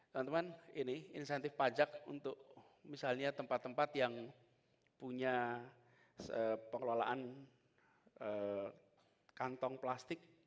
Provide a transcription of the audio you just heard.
teman teman ini insentif pajak untuk misalnya tempat tempat yang punya pengelolaan kantong plastik